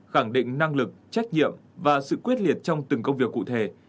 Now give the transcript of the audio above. khẳng định năng lực trách nhiệm và sự quyết liệt trong từng công việc cụ thể